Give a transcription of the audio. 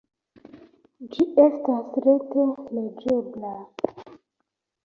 Ĝi estas rete legebla.